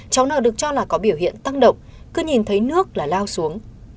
cháu nào được cho là có biểu hiện tăng động cứ nhìn thấy nước là lao xuống